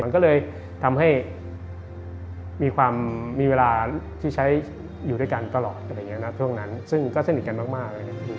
มันก็เลยทำให้มีเวลาที่ใช้อยู่ด้วยกันตลอดซึ่งก็สนิทกันมาก